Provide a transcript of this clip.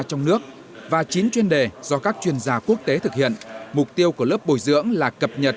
trong nước và chín chuyên đề do các chuyên gia quốc tế thực hiện mục tiêu của lớp bồi dưỡng là cập nhật